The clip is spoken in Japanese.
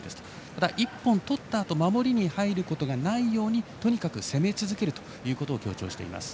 ただ、１本取ったあと守りに入ることがないようにとにかく攻め続けると強調しています。